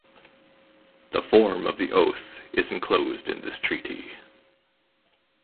The form of the oath is enclosed in this Treaty.